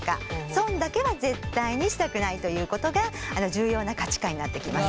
損だけは絶対にしたくないということが重要な価値観になってきます。